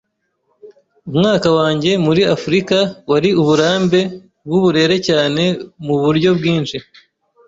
Umwaka wanjye muri Afrika wari uburambe bwuburere cyane muburyo bwinshi.